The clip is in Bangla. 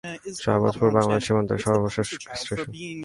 শাহবাজপুর বাংলাদেশ সীমান্তের সর্বশেষ স্টেশন।